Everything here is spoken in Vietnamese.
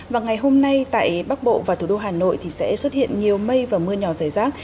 và ngày hôm nay tại bắc bộ và thủ đô hà nội thì sẽ xuất hiện nhiều mây và mưa nhỏ rải rác